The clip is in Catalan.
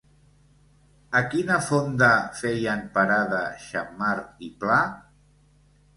A quina fonda feien parada Xammar i Pla?